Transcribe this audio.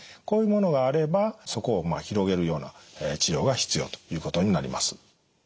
こういうものがあればそこを広げるような治療が必要ということになります。